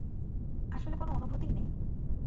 আসলে কোন অনুভূতিই নেই।